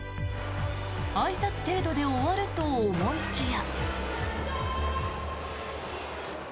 あいさつ程度で終わると思いきや。